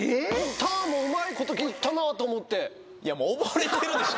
ターンもうまいこといったなと思っていや溺れてるでしょ